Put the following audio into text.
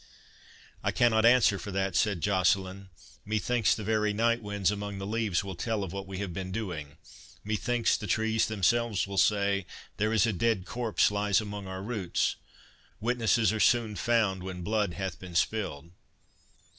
"I cannot answer for that," said Joceline. "Methinks the very night winds among the leaves will tell of what we have been doing—methinks the trees themselves will say, 'there is a dead corpse lies among our roots.' Witnesses are soon found when blood hath been spilled."